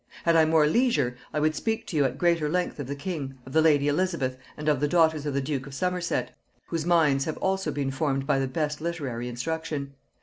Had I more leisure, I would speak to you at greater length of the king, of the lady Elizabeth, and of the daughters of the duke of Somerset, whose minds have also been formed by the best literary instruction.